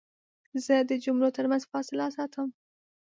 زه د جملو ترمنځ فاصله ساتم.